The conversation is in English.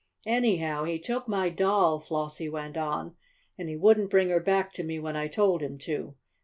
"Anyhow he took my doll," Flossie went on. "And he wouldn't bring her back to me when I told him to.